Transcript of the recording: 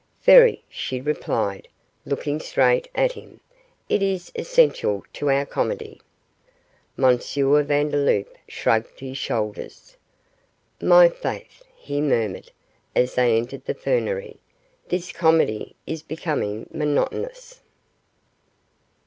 'Very,' she replied, looking straight at him; 'it is essential to our comedy.' M. Vandeloup shrugged his shoulders. 'My faith!' he murmured, as they entered the fernery; 'this comedy is becoming monotonous.